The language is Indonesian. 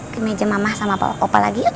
ke meja mama sama opa lagi yuk